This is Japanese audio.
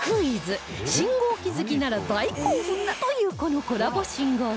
信号機好きなら大興奮だというこのコラボ信号機